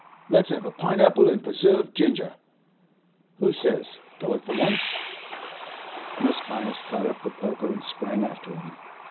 Let's have a pine apple and preserved ginger! Who says, Go it for once?' Mrs. Byass caught up the poker and sprang after him.